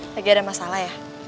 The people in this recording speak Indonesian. lagi ada masalah ya